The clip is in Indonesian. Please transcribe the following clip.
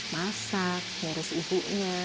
masak nyaris ibunya